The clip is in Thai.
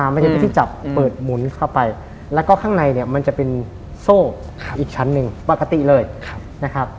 มันจะเป็นที่จับเปิดหมุนเข้าไปแล้วก็ข้างในเนี่ยมันจะเป็นโซ่อีกชั้นหนึ่งปกติเลยนะครับ